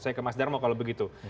saya ke mas darmo kalau begitu